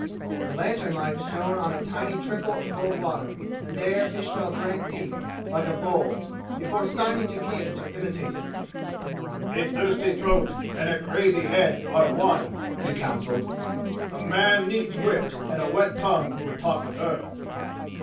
The lantern light shone on a tiny trickle of cold water, and there Ismail drank deep, like a bull, before signing to King to imitate him. "A thirsty throat and a crazy head are one," he counseled. "A man needs wit and a wet tongue who would talk with her!"